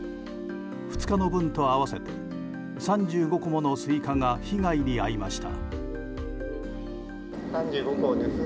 ２日の分と合わせて３５個ものスイカが被害に遭いました。